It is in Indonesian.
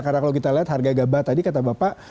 karena kalau kita lihat harga gabah tadi kata bapak